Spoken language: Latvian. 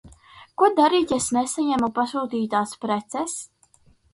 Ko darīt, ja es nesaņemu pasūtītās preces?